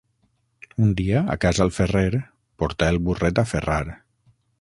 Un dia a casa el ferrer, portà el burret a ferrar.